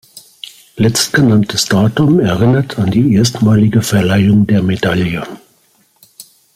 Letztgenanntes Datum erinnert an die erstmalige Verleihung der Medaille.